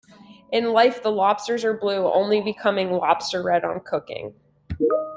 In life, the lobsters are blue, only becoming "lobster red" on cooking.